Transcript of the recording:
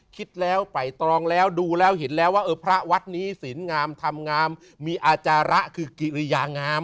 คิดแล้วไปตรองแล้วดูแล้วเห็นแล้วว่าเออพระวัดนี้สินงามทำงามมีอาจาระคือกิริยางาม